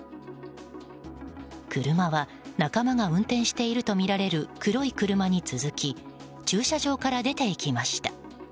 車は仲間が運転しているとみられる黒い車に続き駐車場から出て行きました。